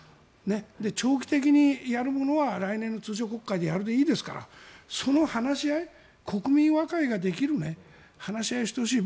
長期的にやるものは来年の通常国会でやるでいいですからその話し合い、国民和解ができる話し合いをしてほしい。